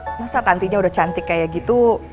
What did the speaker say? nggak usah tantinya udah cantik kayak gitu